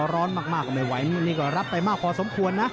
ร้อนมากก็ไม่ไหวนี่ก็รับไปมากพอสมควรนะ